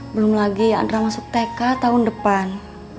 belum lagi yang ada masuk tk tahun depan